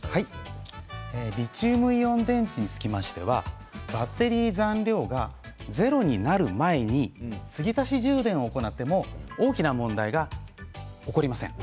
リチウムイオン電池はバッテリー残量がゼロになる前につぎ足し充電を行っても大きな問題が起こりません。